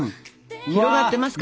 広がってますか？